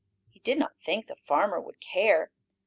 He did not think the farmer would care.